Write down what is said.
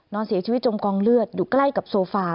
นอนเสียชีวิตจมกองเลือดอยู่ใกล้กับโซฟา